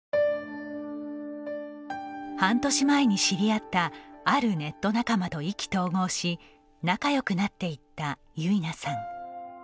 半年前に知り合ったあるネット仲間と意気投合し仲よくなっていったゆいなさん。